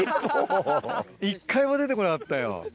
１回も出て来なかったよ。